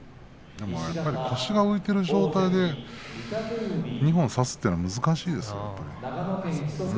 でも腰が浮いている状態で２本差すというのが難しいですよ。